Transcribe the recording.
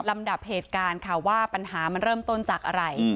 ดับเหตุการณ์ค่ะว่าปัญหามันเริ่มต้นจากอะไร